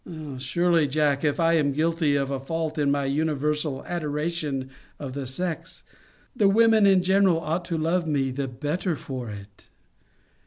Surely, Jack, if I am guilty of a fault in my universal adorations of the sex, the women in general ought to love me the better for it.